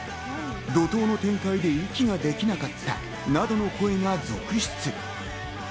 怒涛の展開で息ができなかったなどの声が続出。